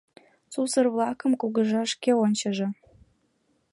— Сусыр-влакым кугыжа шке ончыжо!